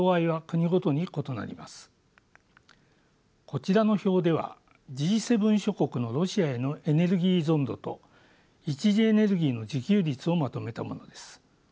こちらの表ではＧ７諸国のロシアへのエネルギー依存度と一次エネルギーの自給率をまとめたものです。